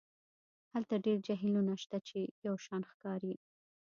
هلته ډیر جهیلونه شته چې یو شان ښکاري